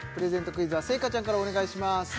クイズは星夏ちゃんからお願いします